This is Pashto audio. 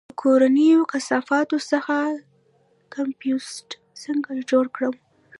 د کورنیو کثافاتو څخه کمپوسټ څنګه جوړ کړم؟